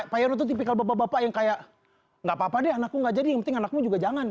pak yoro itu tipikal bapak bapak yang kayak gak apa apa deh anakku gak jadi yang penting anakmu juga jangan